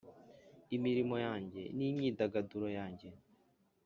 imirimo yanjye, n'imyidagaduro yanjye,